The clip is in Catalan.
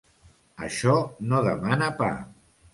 Això no demana pa.